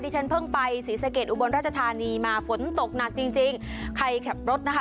ฉันเพิ่งไปศรีสะเกดอุบลราชธานีมาฝนตกหนักจริงจริงใครขับรถนะคะ